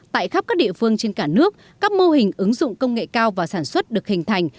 tại khắp các địa phương trên cả nước các mô hình ứng dụng công nghệ cao và sản xuất được hình thành